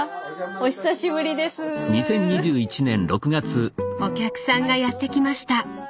お客さんがやって来ました。